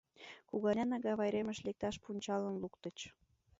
Кугарнян агавайремыш лекташ пунчалым луктыч.